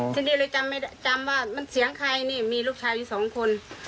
ที่นี่เลยจำว่ามันเสียงใครนี่มีลูกชายอยู่๒คน